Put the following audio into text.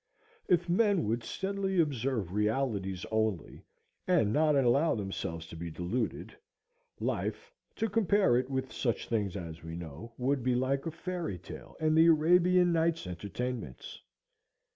If men would steadily observe realities only, and not allow themselves to be deluded, life, to compare it with such things as we know, would be like a fairy tale and the Arabian Nights' Entertainments.